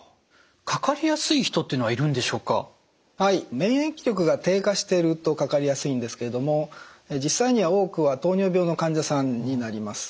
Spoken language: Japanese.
免疫力が低下しているとかかりやすいんですけれども実際には多くは糖尿病の患者さんになります。